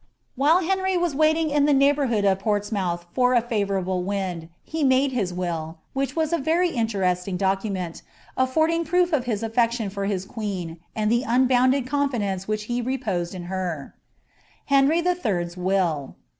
While Henry wm wsiiin; in the neighbourhood of Portsmouth for a fsrourable wind, he made hi* « ill, » hirh is a VLTV iiileresiiiig document, alfonhitg proof of his afet lion for his queen, anil the unbounded confidence which h« reposed HENRY THE THIRD'S WILL."